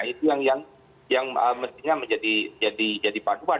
itu yang mestinya menjadi paduan